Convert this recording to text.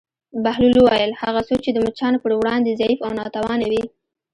بهلول وویل: هغه څوک چې د مچانو پر وړاندې ضعیف او ناتوانه وي.